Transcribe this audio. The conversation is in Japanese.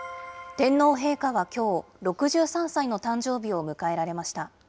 天皇陛下はきょう、６３歳の誕生日を迎えられました。